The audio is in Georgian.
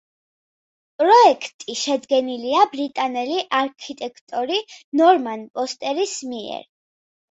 პროექტი შედგენილია ბრიტანელი არქიტექტორი ნორმან ფოსტერის მიერ.